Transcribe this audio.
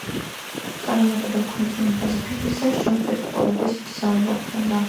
წარუმატებელ ქორწინებაზე ფიქრისას ჯონს თვითმკვლელობის მცდელობა ჰქონდა.